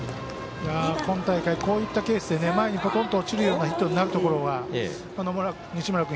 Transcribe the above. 今大会こういったケースで前にポトンと落ちるようなボールになるところが西村君